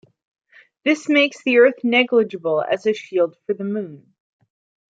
This makes the Earth negligible as a shield for the Moon.